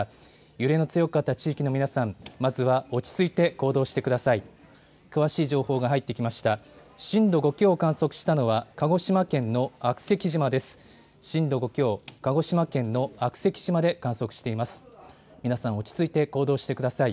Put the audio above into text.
揺れの強かった地域の皆さん、まずは落ち着いて行動してください。